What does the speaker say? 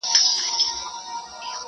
زخیرې مي کړلې ډیري شین زمری پر جنګېدمه!!